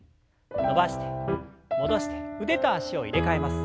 伸ばして戻して腕と脚を入れ替えます。